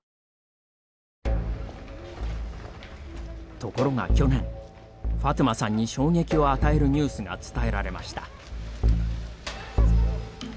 ところが、去年ファトゥマさんに衝撃を与えるニュースが伝えられました。